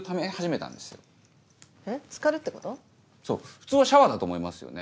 普通はシャワーだと思いますよね？